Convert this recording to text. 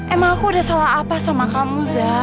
emang aku udah salah apa sama kamu zah